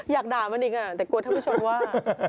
อยากด่ามันอีกแต่กลัวท่านผู้ชมว่า